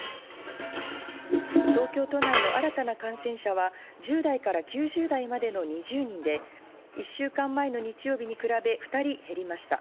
東京都内の新たな感染者は１０代から９０代までの２０人で、１週間前の日曜日に比べ、２人減りました。